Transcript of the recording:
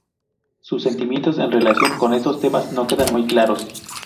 Sus sentimientos en relación con estos temas no quedan muy claros.